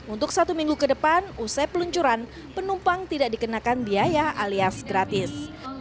untuk satu minggu ke depan usai peluncuran penumpang tidak dikenakan biaya alias gratis